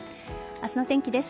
明日の天気です。